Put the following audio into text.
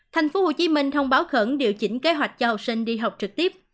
thành phố hồ chí minh thông báo khẩn điều chỉnh kế hoạch cho học sinh đi học trực tiếp